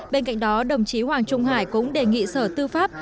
bên cạnh đó đồng chí hoàng trung hải cũng đề nghị sở tư pháp